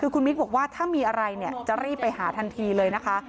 คือคุณมิ๊กบอกว่าถ้ามีอะไรเนี่ยจะรีบไปหาทันทีเลยนะคะ